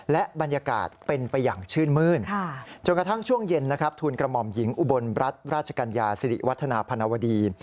และบรรยากาศเป็นไปอย่างชื่นมื้นจนกระทั่งช่วงเย็นนะครับทุนกระหม่อมหญิงอุบลรัฐราชกัญญาสิริวัฒนาพนวดีน